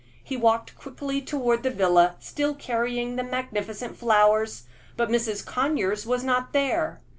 He walked quickly toward the villa, still carrying the magnificent flowers, but Mrs. Conyers was not there.